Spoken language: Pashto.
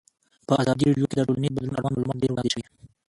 په ازادي راډیو کې د ټولنیز بدلون اړوند معلومات ډېر وړاندې شوي.